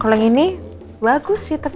kalau yang ini bagus sih tapi ga sopan ini